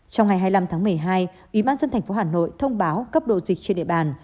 trong ngày hai mươi năm tháng một mươi hai ủy ban dân thành phố hà nội thông báo cấp độ dịch trên địa bàn